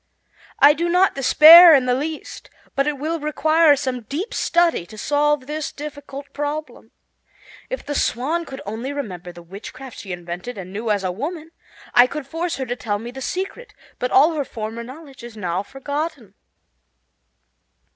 I do not despair in the least, but it will require some deep study to solve this difficult problem. If the Swan could only remember the witchcraft that she invented and knew as a woman, I could force her to tell me the secret, but all her former knowledge is now forgotten."